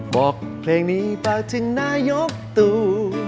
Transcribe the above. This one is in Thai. บอกเพลงนี้ฝากถึงนายกตู่